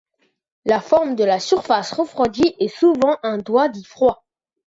La forme de la surface refroidie est souvent un doigt dit froid.